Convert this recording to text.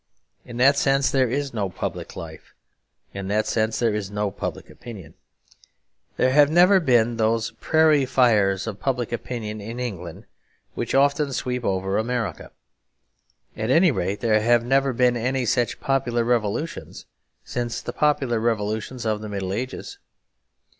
In that sense there is no public life. In that sense there is no public opinion. There have never been those prairie fires of public opinion in England which often sweep over America. At any rate, there have never been any such popular revolutions since the popular revolutions of the Middle Ages.